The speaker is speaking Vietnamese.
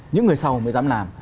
những người sau mới dám làm